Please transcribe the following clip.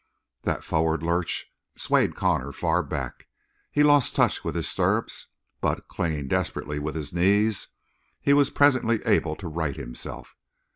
That forward lurch swayed Connor far back; he lost touch with his stirrups, but, clinging desperately with his knees, he was presently able to right himself.